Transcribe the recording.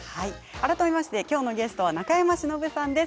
改めましてきょうのゲストは中山忍さんです。